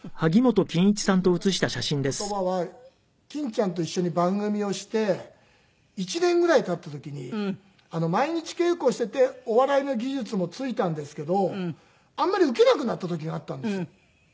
欽ちゃんと一緒に番組をして１年ぐらい経った時に毎日稽古していてお笑いの技術もついたんですけどあんまりウケなくなった時があったんですよ。